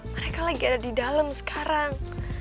mereka lagi ada di dalam sekarang